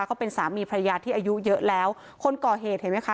เขาเป็นสามีพระยาที่อายุเยอะแล้วคนก่อเหตุเห็นไหมคะ